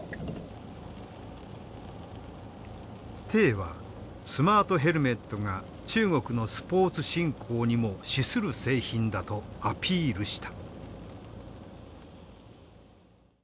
はスマートヘルメットが中国のスポーツ振興にも資する製品だとアピールした。